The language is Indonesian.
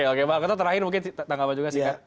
oke pak alkotot terangin tanggapan juga sih